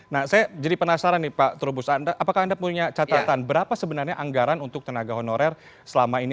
nah saya jadi penasaran nih pak trubus apakah anda punya catatan berapa sebenarnya anggaran untuk tenaga honorer selama ini